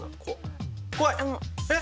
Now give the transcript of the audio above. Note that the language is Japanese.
怖い！えっ？